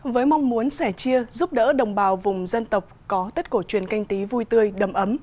với mong muốn sẻ chia giúp đỡ đồng bào vùng dân tộc có tất cổ truyền canh tí vui tươi đầm ấm